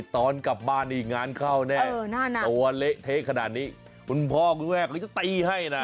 ตอนกลับบ้านนี่งานเข้าแน่ตัวเละเทะขนาดนี้คุณพ่อคุณแม่หรือจะตีให้นะ